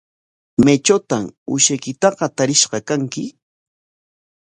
¿Maytrawtaq uushaykitaqa tarish kanki?